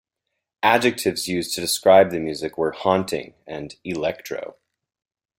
Adjectives used to describe the music were "haunting" and "electro".